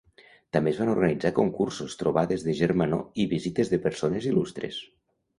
També es van organitzar concursos, trobades de germanor i visites de persones il·lustres.